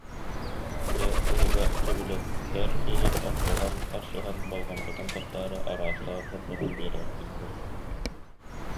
Дьэ, тыһыга сөбүлэтэр иһин охсуһан, харсыһан, болҕомтотун тардаары араастаан сордонон биэрээхтииллэр